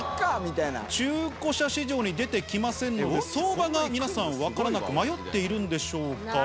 中古車市場に出てきませんので、相場が皆さん、分からなく、迷っているんでしょうか。